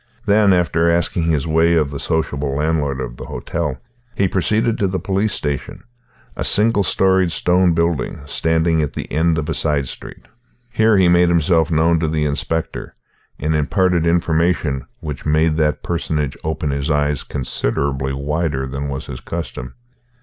Then, after asking his way of the sociable landlord of the hotel, he proceeded to the police station, a single storied stone building standing at the end of a side street. Here he made himself known to the inspector, and imparted information which made that personage open his eyes considerably wider than was his custom.